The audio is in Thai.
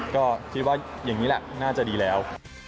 ก็คิดว่าอย่างนี้แหละน่าจะดีแล้ว